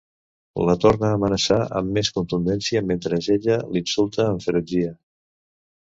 La torna a amenaçar amb més contundència mentre ella l'insulta amb ferotgia.